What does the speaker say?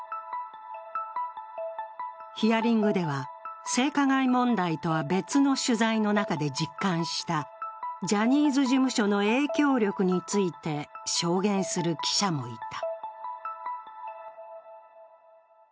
ヒアリングでは性加害問題とは別の取材の中で実感したジャニーズ事務所の影響力について証言する記者もいた。